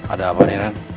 ada apa nih ren